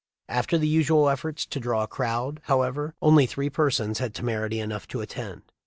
After the usual efforts to draw a crowd, however, only three persons had temerity enough to attend.